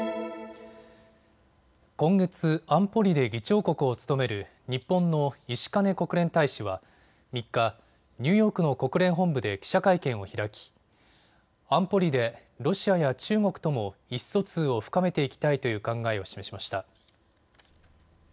今月、安保理で議長国を務める日本の石兼国連大使は３日、ニューヨークの国連本部で記者会見を開き安保理でロシアや中国とも意思疎通を深めていきたいという考えを示しました。